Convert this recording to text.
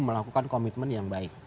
melakukan komitmen yang baik